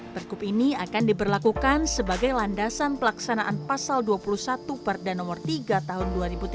pergub ini akan diberlakukan sebagai landasan pelaksanaan pasal dua puluh satu perda no tiga tahun dua ribu tujuh belas